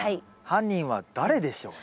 犯人は誰でしょう？